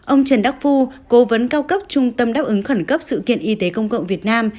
ông trần đắc phu cố vấn cao cấp trung tâm đáp ứng khẩn cấp sự kiện y tế công cộng việt nam